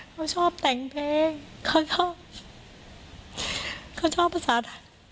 เขาชอบแต่งเพลงเขาชอบประสาท